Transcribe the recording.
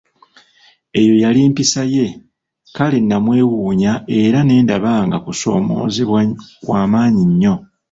Eyo yali mpisa ye, kale namwewuunya era ne ndaba nga kusomoozebwa kwamaanyi nnyo.